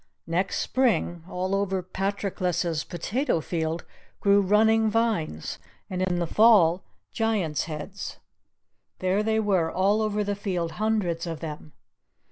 Next spring all over Patroclus's potato field grew running vines, and in the fall Giant's heads. There they were all over the field, hundreds of them!